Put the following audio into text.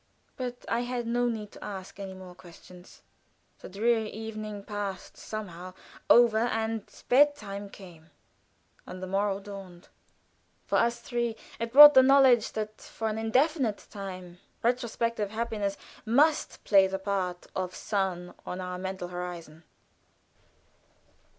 But I had no need to ask any more questions. The dreary evening passed somehow over, and bed time came, and the morrow dawned. For us three it brought the knowledge that for an indefinite time retrospective happiness must play the part of sun on our mental horizon.